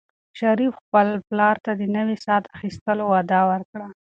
شریف خپل پلار ته د نوي ساعت اخیستلو وعده ورکړه.